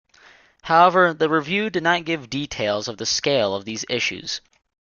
However, the review did not give details of the scale of these issues.